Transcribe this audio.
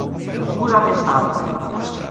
juramentado